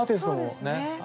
そうですね。